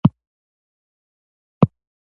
آیا تیاتر هنر دی؟